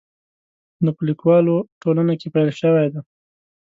نو په لیکوالو ټولنه کې پیل شوی دی.